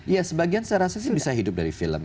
ya sebagian saya rasa sih bisa hidup dari film